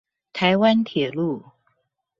臺灣鐵路